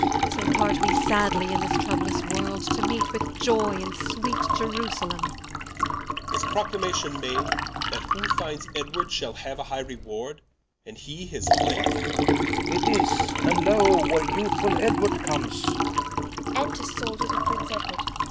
So part we sadly in this troublous World, To meet with Ioy in sweet Ierusalem Edw. Is Proclamation made, That who finds Edward, Shall haue a high Reward, and he his Life? Rich. It is, and loe where youthfull Edward comes.